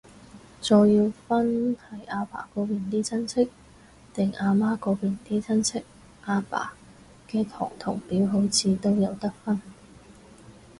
再要分係阿爸嗰邊啲親戚，定阿媽嗰邊啲親戚，阿爸嘅堂同表都好似有得分